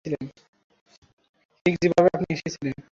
ঠিক যেভাবে আপনি এসেছিলেন।